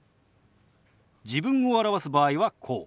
自分を表す場合はこう。